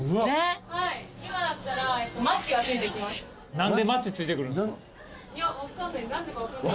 何でマッチ付いてくるんすか？